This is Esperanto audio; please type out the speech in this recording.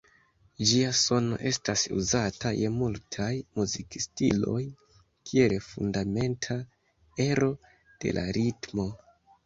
Ĝia sono estas uzata je multaj muzikstiloj kiel fundamenta ero de la ritmo.